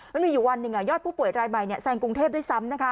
ไม่มีอยู่วันหนึ่งอ่ะยอดผู้ป่วยรายใหม่เนี่ยแซงกรุงเทพได้ซ้ำนะคะ